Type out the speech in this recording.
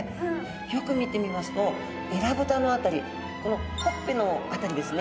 よく見てみますとえらぶたの辺りこのほっぺの辺りですね。